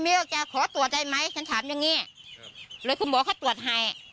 พี่แค้นดีทรงทั้งเยาห์